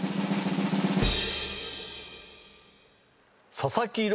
佐々木朗